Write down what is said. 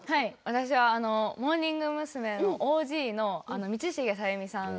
私はモーニング娘。のＯＧの道重さゆみさん。